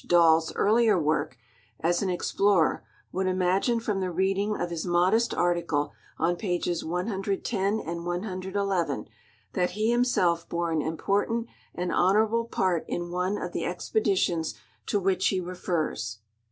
Dali's earlier work as an explorer would imagine from the reading of his modest article on pages 110 and 111 that he himself bore an important and honorable part in one of the expeditions to which he refers.